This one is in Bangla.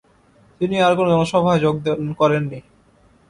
তিনি আর কোন জনসভায় যোগদান করেননি।